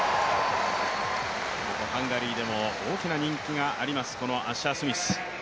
ハンガリーでも大きな人気があります、アッシャースミス。